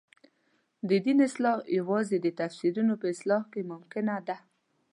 د دین اصلاح یوازې د تفسیرونو په اصلاح کې ممکنه ده.